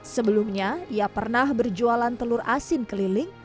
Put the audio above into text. sebelumnya ia pernah berjualan telur asin keliling